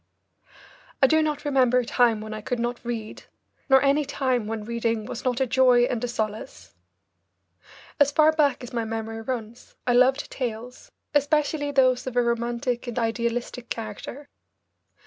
I do not remember a time when I could not read, nor any time when reading was not a joy and a solace. As far back as my memory runs I loved tales, especially those of a romantic and idealistic character.